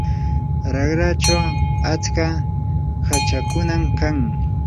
raqrachaw atska hachakunam kan.